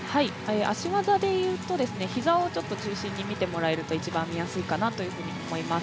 脚技でいうと膝を中心に見てもらえると一番見やすいかなと思います。